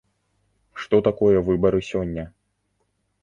Што такое выбары сёння?